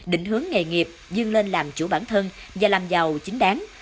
định hướng nghề nghiệp dương lên làm chủ bản thân và làm giàu chính đáng